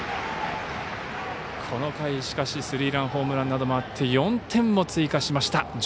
この回、しかしスリーランホームランなどもあり４点を追加しました。